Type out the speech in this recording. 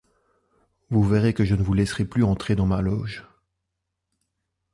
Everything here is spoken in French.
Vous verrez que je ne vous laisserai plus entrer dans ma loge.